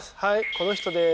この人です。